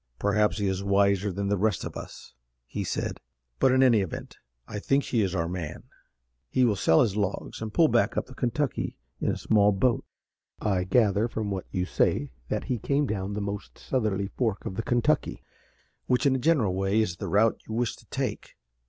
"Perhaps he is wiser than the rest of us," he said, "but in any event, I think he is our man. He will sell his logs and pull back up the Kentucky in a small boat. I gather from what you say that he came down the most southerly fork of the Kentucky, which, in a general way, is the route you wish to take.